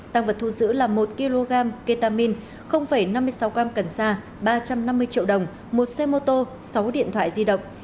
tăng vật thu giữ là một kg ketamine năm mươi sáu g cần sa ba trăm năm mươi triệu đồng một xe mô tô sáu điện thoại di động